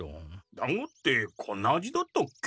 だんごってこんな味だったっけ？